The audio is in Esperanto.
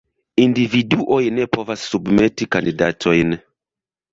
Individuoj ne povas submeti kandidatojn.